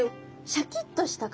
シャキッとした感じの。